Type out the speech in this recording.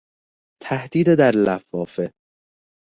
تهدید در لفافه